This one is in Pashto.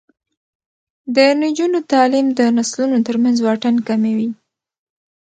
د نجونو تعلیم د نسلونو ترمنځ واټن کموي.